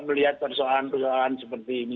melihat persoalan persoalan seperti ini